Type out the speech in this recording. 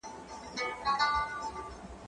زه هره ورځ بوټونه پاکوم!.